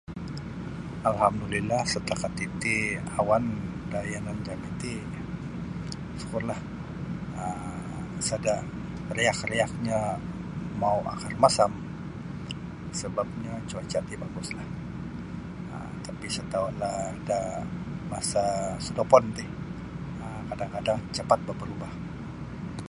Alhamdulillah setakat titi awan da yanan jami ti sukurlah um sada riak-riaknyo mau akan rumasam sebapnyo cuaca ti baguslah tapi sa taulah kalau da masa sodopon ti kadang-kadang cepat boh berubah.